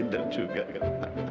aku udah mulai bisa lihat